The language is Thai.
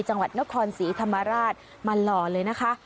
จังหวัดนครศรีธรรมราชมาหล่อเลยนะคะ